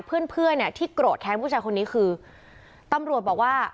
เพื่อนเพื่อนเนี่ยที่โกรธแค้นผู้ชายคนนี้คือตำรวจบอกว่า